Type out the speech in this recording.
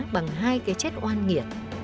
bằng hai cái chết oan nghiệt